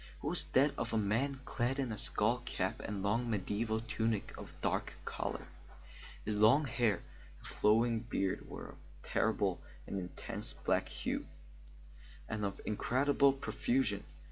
It was that of a man clad in a skull cap and long mediaeval tunic of dark colour. His long hair and flowing beard were of a terrible and intense black hue, and of incredible profusion.